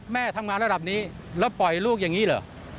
แม่ทำงานระดับนี้แล้วปล่อยลูกอย่างนี้เหรอ